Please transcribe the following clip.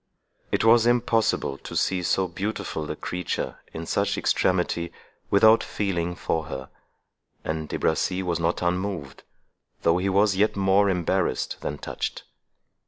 It was impossible to see so beautiful a creature in such extremity without feeling for her, and De Bracy was not unmoved, though he was yet more embarrassed than touched.